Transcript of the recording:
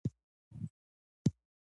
د ماشوم د غوږ درد ته ژر پام وکړئ.